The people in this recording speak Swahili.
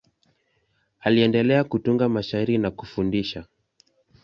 Aliendelea kutunga mashairi na kufundisha.